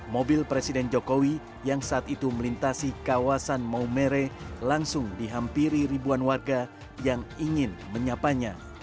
mobil presiden jokowi yang saat itu melintasi kawasan maumere langsung dihampiri ribuan warga yang ingin menyapanya